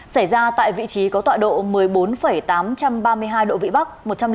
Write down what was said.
xảy ra tại vị trí có tọa độ một mươi bốn tám trăm ba mươi hai độ vĩ bắc